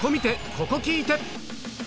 ここ聴いて！